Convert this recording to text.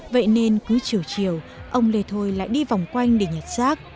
vậy nên cứ chiều chiều ông lê thôi lại đi vòng quanh để nhặt rác